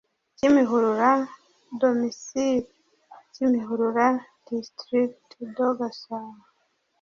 Kimihurura domicili kimihurura district de gasabo